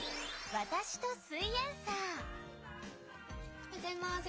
おはようございます。